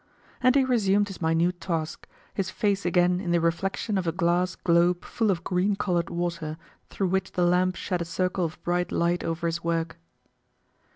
And he resumed his minute task, his face again in the reflection of a glass globe full of green colored water, through which the lamp shed a circle of bright light over his work.